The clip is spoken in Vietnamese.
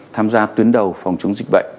tham gia tuyến đầu phòng chống dịch bệnh